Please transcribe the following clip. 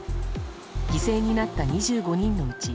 犠牲になった２５人のうち